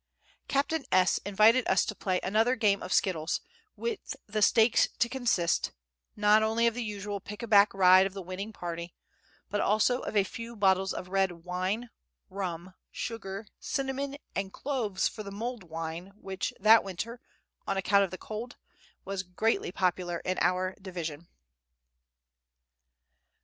Captain S. invited us to play another game of skittles, with the stakes to consist, not only of the usual pickaback ride of the winning party, but also of a few bottles of red wine, rum, sugar, cinnamon, and cloves for the mulled wine which that winter, on account of the cold, was greatly popular in our division.